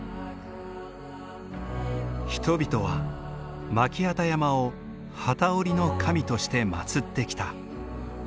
人々は巻機山を機織りの神として祭ってきた。